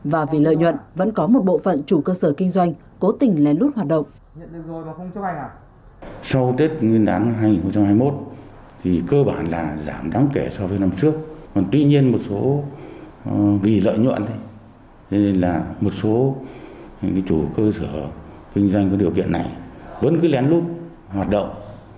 và vì lợi nhuận vẫn có một bộ phận chủ cơ sở kinh doanh cố tình lén lút hoạt động